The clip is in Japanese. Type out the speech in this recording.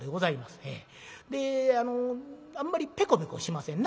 であのあんまりペコペコしませんな。